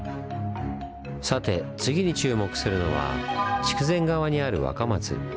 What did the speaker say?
さて次に注目するのは筑前側にある若松。